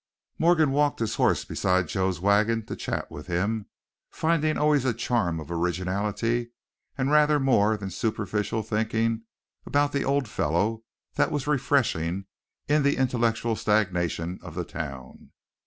Morgan walked his horse beside Joe's wagon to chat with him, finding always a charm of originality and rather more than superficial thinking about the old fellow that was refreshing in the intellectual stagnation of the town.